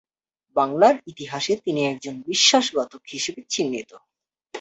বাংলার ইতিহাসে তিনি একজন বিশ্বাসঘাতক হিসেবে চিহ্নিত।